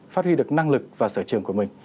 phát huy được năng lực và sở trường của mình